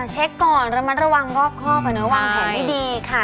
เช็คก่อนระมัดระวังรอบครอบระวังแผนดีค่ะ